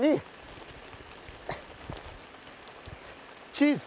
チーズ！